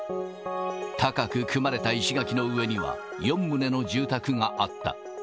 高く組まれた石垣の上には、４棟の住宅があった。